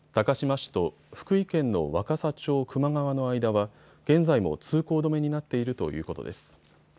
市と福井県の若狭町熊川の間は現在も通行止めになっているということです。